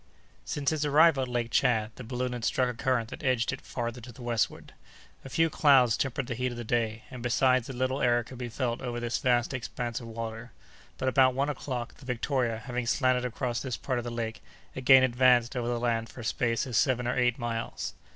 Since its arrival at Lake Tchad, the balloon had struck a current that edged it farther to the westward. A few clouds tempered the heat of the day, and, besides, a little air could be felt over this vast expanse of water; but about one o'clock, the Victoria, having slanted across this part of the lake, again advanced over the land for a space of seven or eight miles.